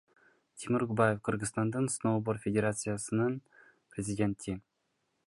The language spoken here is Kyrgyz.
Тимур Губаев — Кыргызстандын сноуборд федерациясынын президенти.